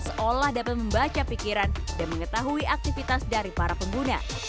seolah dapat membaca pikiran dan mengetahui aktivitas dari para pengguna